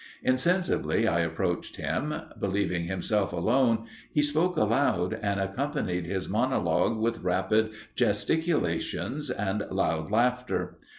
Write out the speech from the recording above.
Insensibly I approached him. Believing himself alone, he spoke aloud, and accompanied his monologue with rapid gesticulations and loud laughter.